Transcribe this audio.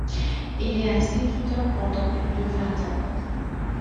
Il est instituteur, pendant plus de vingt ans.